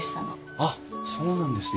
あっそうなんですね。